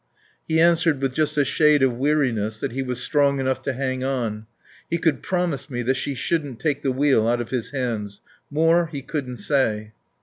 He answered with just a shade of weariness that he was strong enough to hang on. He could promise me that she shouldn't take the wheel out of his hands. More he couldn't say.